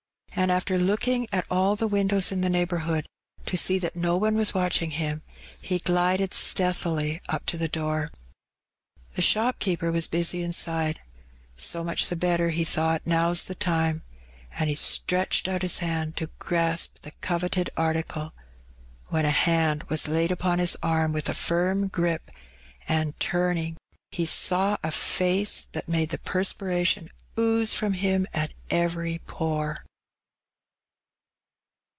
And, after looking at all the windows in the neighbourhood, to see that no one was watching him, he glided stealthily up to the door. The shopkeeper was busy inside. "So much the better,*' he thought. "Now^s the time.'* And he stretched out his hand to grasp the coveted article, when a hand was laid upon his arm with a firm grip, and, turning, he saw a face that made the perspiration ooze &om him at every pore.